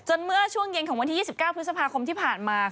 เมื่อช่วงเย็นของวันที่๒๙พฤษภาคมที่ผ่านมา